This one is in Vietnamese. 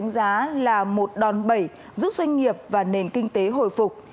giá là một đòn bẩy giúp doanh nghiệp và nền kinh tế hồi phục